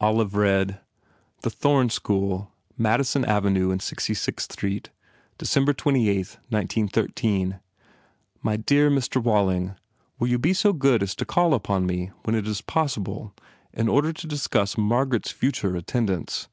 Olive read: "The Thorne School, Madison Avenue and Sixty Sixth Street. December 28th, 1913. My dear Mr. Walling, Will you be so good as to call upon me when it is possible in order to discuss Margaret s future attendance.